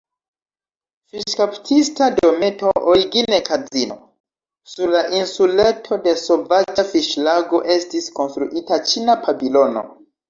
Fiŝkaptista Dometo, origine kazino; sur la insuleto de Sovaĝa Fiŝlago estis konstruita Ĉina Pavilono.